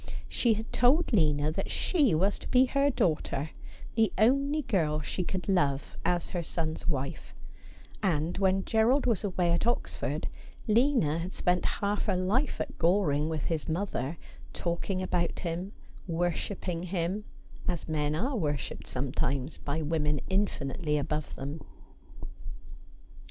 She had told Lina that she was to be her daughter, the only girl she could love as her son's wife ; and when Gerald was away at Oxford, Lina had spent half her life at Goring with his mother, talk ing about him, worshipping him, as men are worshipped some times by women infinitely above them.